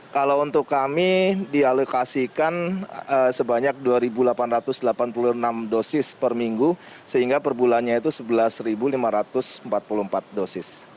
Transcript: kalau untuk kami dialokasikan sebanyak dua delapan ratus delapan puluh enam dosis per minggu sehingga per bulannya itu sebelas lima ratus empat puluh empat dosis